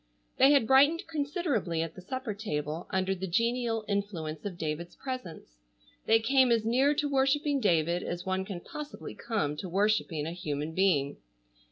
They had brightened considerably at the supper table, under the genial influence of David's presence. They came as near to worshiping David as one can possibly come to worshiping a human being.